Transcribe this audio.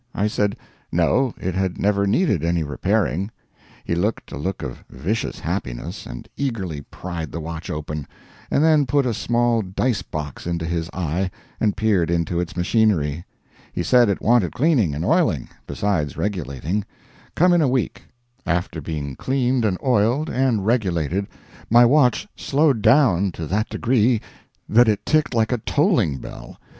I said no, it had never needed any repairing. He looked a look of vicious happiness and eagerly pried the watch open, and then put a small dice box into his eye and peered into its machinery. He said it wanted cleaning and oiling, besides regulating come in a week. After being cleaned and oiled, and regulated, my watch slowed down to that degree that it ticked like a tolling bell.